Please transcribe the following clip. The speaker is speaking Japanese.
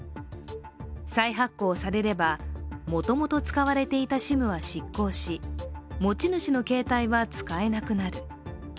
再発行されれば、もともと使われていたＳＩＭは失効し、持ち主の携帯は使えなくなる。